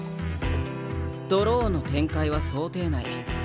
ドローの展開は想定内。